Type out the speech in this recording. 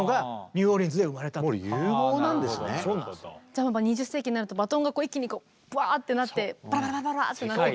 じゃあ２０世紀になるとバトンが一気にこうブワッてなってバラバラバラバラってなって。